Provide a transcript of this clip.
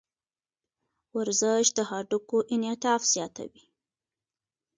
ورزش د هډوکو انعطاف زیاتوي.